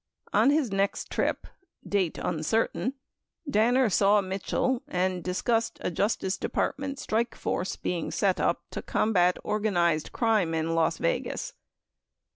On his next trip (date uncertain) Danner saw Mitchell and discussed a Justice Department strike force being set up to combat organized crime in Las Vegas.